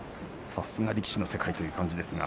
さすが力士の世界という感じです。